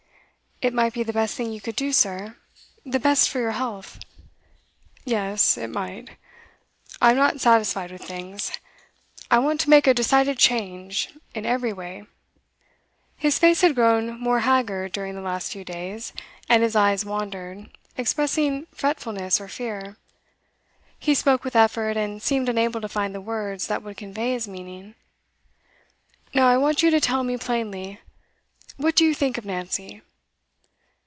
'It might be the best thing you could do, sir. The best for your health.' 'Yes, it might. I'm not satisfied with things. I want to make a decided change, in every way.' His face had grown more haggard during the last few days, and his eyes wandered, expressing fretfulness or fear; he spoke with effort, and seemed unable to find the words that would convey his meaning. 'Now I want you to tell me plainly, what do you think of Nancy?